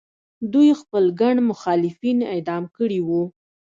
دوی خپل ګڼ مخالفین اعدام کړي وو.